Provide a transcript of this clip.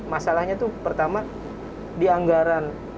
masalahnya itu pertama di anggaran